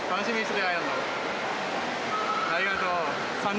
ありがとう。